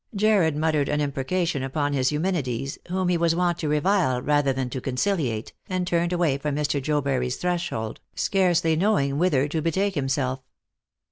Jarred muttered an imrjrecation upon his Eumenides, whom 272 Lost for Love. he was wont to revile rather than to conciliate, ^nd turned away from Mr. Jobury's threshold, scarcely knowingfcvhither to betake himself.